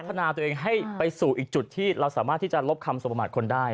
นาตัวเองให้ไปสู่อีกจุดที่เราสามารถที่จะลบคำสมประมาทคนได้